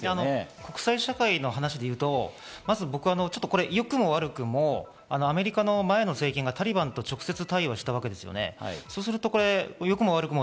国際社会の話でいうと、まず僕は良くも悪くもアメリカの前の政権がタリバンと直接、対峙をしたわけですよね。